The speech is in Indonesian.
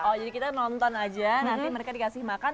oh jadi kita nonton aja nanti mereka dikasih makan